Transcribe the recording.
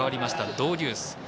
ドウデュース。